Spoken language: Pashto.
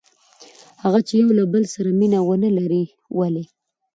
هغه چې یو له بل سره مینه ونه لري؟ ولې؟